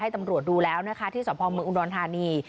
ให้ตำรวจดูแล้วนะคะที่สัมพันธ์เมืองอุณวนธานี